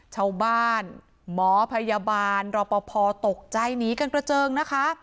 ชาวบ้านหมอพยาบาลรอปภตกใจหนีกันกระเจิงนะคะ